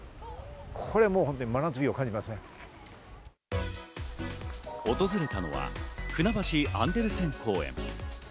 これもう本当に真夏日訪れたのはふなばしアンデルセン公園。